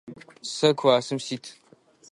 Сэ классым сит.